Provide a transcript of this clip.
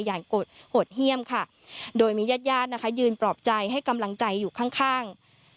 โหดเยี่ยมค่ะโดยมีญาติญาตินะคะยืนปลอบใจให้กำลังใจอยู่ข้างข้าง